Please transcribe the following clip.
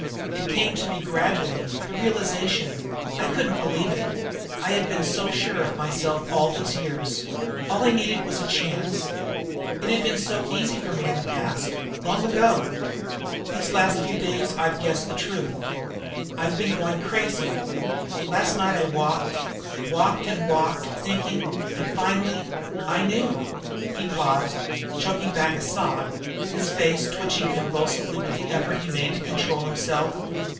"It came to me gradually the realization. I couldn't believe it. I had been so sure of myself all these years. All I needed was a chance. It had been so easy for me in the past long ago. These last few days I've guessed the truth. I've been going crazy. Last night I walked walked and walked thinking and finally I knew!" He paused, choking back a sob, his face twitching convulsively with the effort he made to control himself.